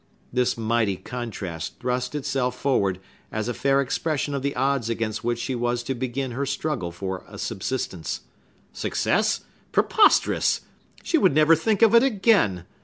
This mighty contrast thrust itself forward as a fair expression of the odds against which she was to begin her struggle for a subsistence. Success? Preposterous! She would never think of it again!